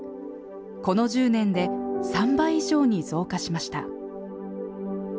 この１０年で３倍以上に増加しました。